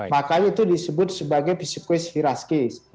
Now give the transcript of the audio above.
makanya itu disebut sebagai psikohirarkis